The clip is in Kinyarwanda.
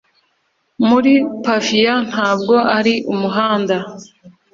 Muri Pavia ntabwo ari umuhanda